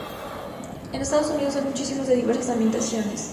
En Estados Unidos hay muchísimos, de diversas ambientaciones.